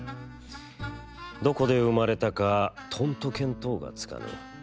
どこで生まれたかとんと見当がつかぬ。